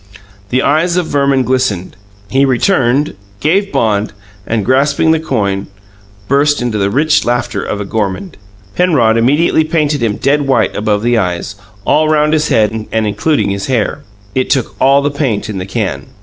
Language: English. The eyes of Verman glistened; he returned, gave bond, and, grasping the coin, burst into the rich laughter of a gourmand. Penrod immediately painted him dead white above the eyes, all round his head and including his hair. It took all the paint in the can.